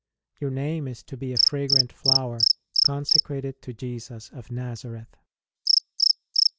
Your name is to be a fragrant flower, consecrated to Jesus of Nazareth.